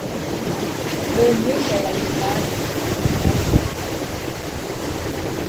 mu mpinga ya yihande